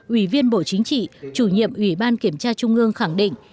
ủy viên bộ chính trị chủ nhiệm ủy ban kiểm tra trung ương khẳng định